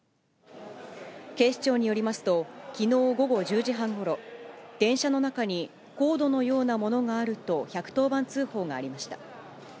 警視庁によりますと、きのう午後１０時半ごろ、電車の中にコードのようなものがあると１１０番通報がありました。